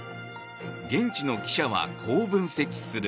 現地の記者は、こう分析する。